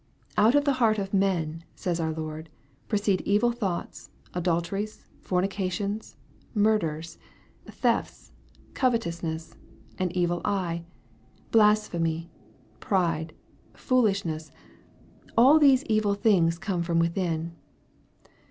" Out of the heart of men," says onr Lord, " proceed evil thoughts, adulteries, fornications, murders, thefts, covetousness, an evil eye, blasphemy, pride, foolishness : all these evil things come from within."